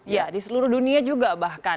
ya di seluruh dunia juga bahkan